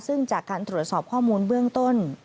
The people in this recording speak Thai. ซึ่งจากการตรวจสอบข้อมูลเบื้องต้น